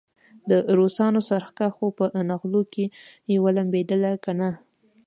د روسانو څرخکه خو په نغلو کې ولمبېدله کنه.